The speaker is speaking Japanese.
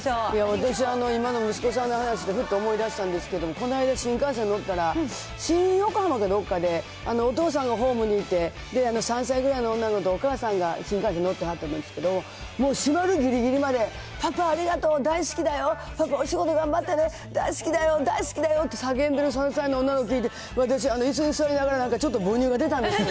私、今の息子さんの話で、ふっと思い出したんですけども、この間新幹線に乗ったら、新横浜かどっかで、お父さんがホームにいて、３歳ぐらいの女の子とお母さんが新幹線乗ってはったんですけども、もう閉まるぎりぎりまで、パパありがとう、大好きだよ、パパお仕事頑張ってね、大好きだよ、大好きだよって叫んでる３歳の女の子聞いて、私、いすに座りながらちょっと母乳が出たんですよ。